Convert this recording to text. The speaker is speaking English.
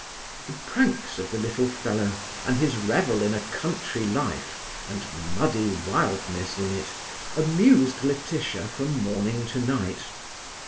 The pranks of the little fellow, and his revel in a country life, and muddy wildness in it, amused Laetitia from morning to night.